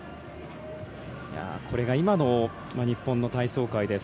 これが今の日本の体操界です。